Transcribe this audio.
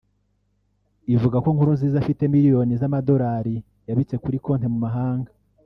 ivuga ko Nkurunziza afite miliyoni z’amadolari yabitse kuri konti mu mahanga